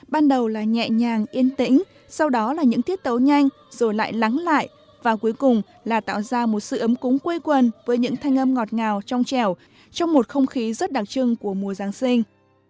ban đầu là nhẹ nhàng yên tĩnh sau đó là những tiết tấu nhanh rồi lại lắng lại và cuối cùng là tạo ra một sự ấm cúng quây quần với những thanh âm ngọt ngào trong chẻo trong một không khí rất đặc trưng của mùa giáng sinh